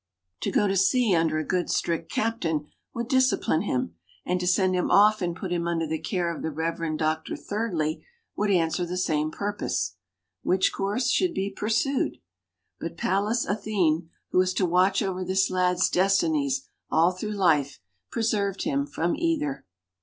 To go to sea under a good strict captain would discipline him, and to send him off and put him under the care of the Reverend Doctor Thirdly would answer the same purpose which course should be pursued? But Pallas Athene, who was to watch over this lad's destinies all through life, preserved him from either.